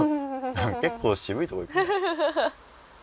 結構渋いとこいくね。